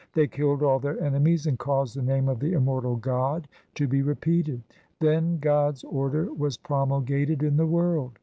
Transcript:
They killed all their enemies and caused the name of the Immortal God to be repeated. Then God's order was promulgated in the world.